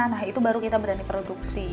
nah itu baru kita berani produksi